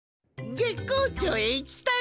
月光町へ行きたいって？